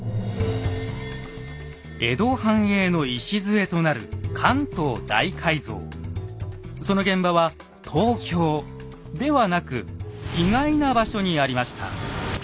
江戸繁栄の礎となるその現場は東京ではなく意外な場所にありました。